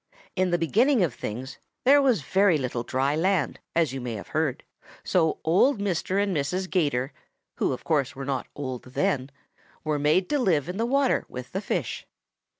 In the beginning of things there was very little dry land, as you may have heard, so old Mr. and Mrs. 'Gator, who of course were not old then, were made to live in the water with the fish.